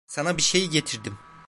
Sana bir şey getirdim.